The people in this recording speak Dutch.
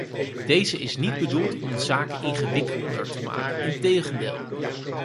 Deze is niet bedoeld om de zaken ingewikkelder te maken, integendeel!